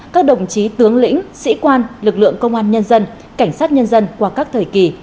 các đồng chí tướng lĩnh sĩ quan lực lượng công an nhân dân cảnh sát nhân dân qua các thời kỳ